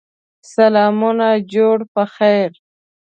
سلامونه جوړ په خیر!